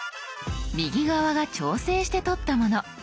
右側が調整して撮ったもの。